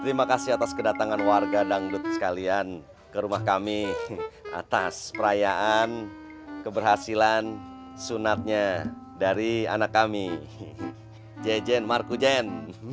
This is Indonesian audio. terima kasih atas kedatangan warga dangdut sekalian ke rumah kami atas perayaan keberhasilan sunatnya dari anak kami jejen markujain